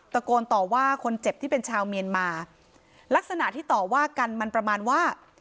ตะโกนต่อว่าคนเจ็บที่เป็นชาวเมียนมาลักษณะที่ต่อว่ากันมันประมาณว่า